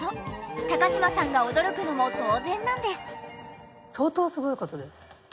高嶋さんが驚くのも当然なんです。